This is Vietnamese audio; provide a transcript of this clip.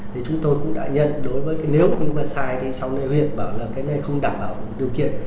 thì chúng tôi cũng đã nhận đối với nếu như mà sai thì sau này huyện bảo là cái này không đảm bảo điều kiện